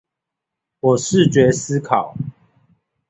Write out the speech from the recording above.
我視覺思考